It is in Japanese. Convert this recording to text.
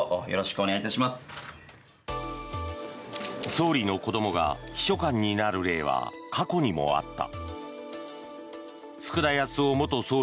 総理の子どもが秘書官になる例は過去にもあった。